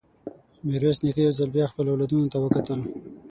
ميرويس نيکه يو ځل بيا خپلو اولادونو ته وکتل.